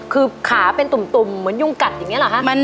คือขาเป็นตุ่มเหมือนยุงกัดอย่างนี้เหรอคะ